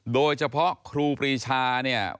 โดยเฉพาะครูปรีชาเนี่ย